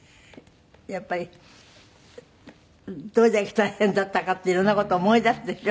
やっぱりどれだけ大変だったかっていろんな事思い出すでしょ？